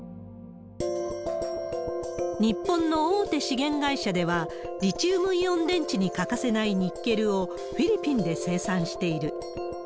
日本の大手資源会社では、リチウムイオン電池に欠かせないニッケルをフィリピンで生産している。